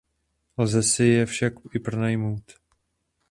Lze si je však i pronajmout.